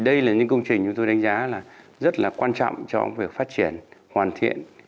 đây là những công trình chúng tôi đánh giá là rất là quan trọng trong việc phát triển hoàn thiện